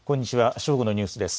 正午のニュースです。